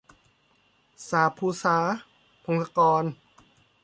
สาปภูษา - พงศกร